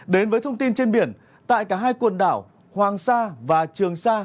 đến với thông tin trên biển tại cả hai quần đảo hoàng sa và trường sa